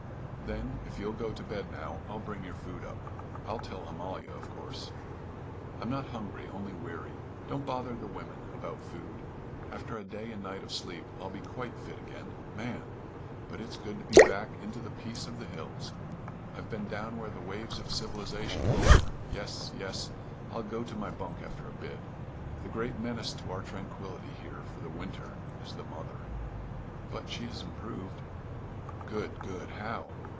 "Then, if you'll go to bed now, I'll bring your food up. I'll tell Amalia, of course." "I'm not hungry only weary. Don't bother the women about food. After a day and night of sleep I'll be quite fit again. Man! But it's good to be back into the peace of the hills! I've been down where the waves of civilization roar. Yes, yes; I'll go to my bunk after a bit. The great menace to our tranquillity here for the winter is the mother." "But she has improved." "Good, good. How?"